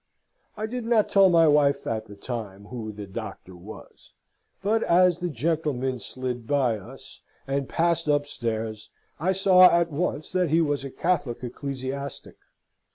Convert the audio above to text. I did not tell my wife, at the time, who "the Doctor" was; but as the gentleman slid by us, and passed upstairs, I saw at once that he was a Catholic ecclesiastic.